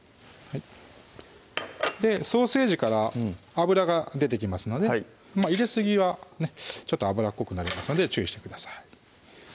ソーセージから脂が出てきますので入れすぎはちょっと脂っこくなりますので注意してください